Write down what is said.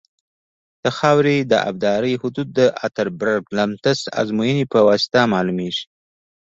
د خاورې د ابدارۍ حدود د اتربرګ لمتس ازموینې په واسطه معلومیږي